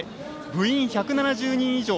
部員１７０人以上。